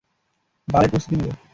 বালের প্রস্তুতি নেবো!